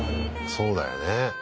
そうだよね